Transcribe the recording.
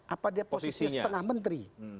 apa dia posisi setengah menteri